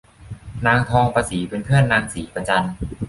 นางทองประศรีเป็นเพื่อนนางศรีประจัน